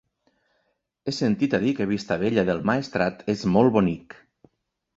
He sentit a dir que Vistabella del Maestrat és molt bonic.